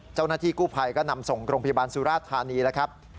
เจ้าหน้าที่กู้ภัยก็นำส่งโรงพยาบาลสุราธานีแล้วครับ